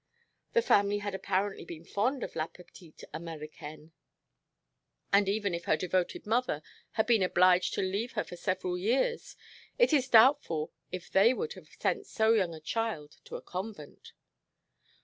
The family had apparently been fond of "la petite Americaine," and even if her devoted mother had been obliged to leave her for several years it is doubtful if they would have sent so young a child to a convent.